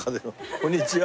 こんにちは。